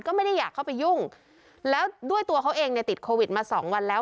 ก็ไม่ได้อยากเข้าไปยุ่งแล้วด้วยตัวเขาเองเนี่ยติดโควิดมาสองวันแล้ว